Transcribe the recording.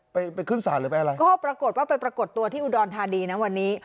ไปไปขึ้นศาลหรือไปอะไรก็ปรากฏว่าไปปรากฏตัวที่อุดรธานีนะวันนี้